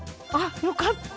よかった。